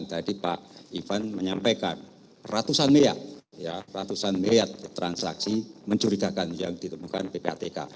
tadi pak ivan menyampaikan ratusan miliar ratusan miliar transaksi mencurigakan yang ditemukan ppatk